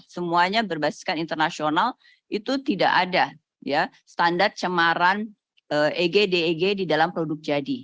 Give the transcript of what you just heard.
semuanya berbasiskan internasional itu tidak ada standar cemaran eg deg di dalam produk jadi